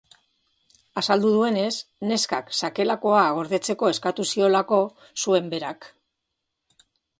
Azaldu zuenez, neskak sakelakoa gordetzeko eskatu ziolako zuen berak.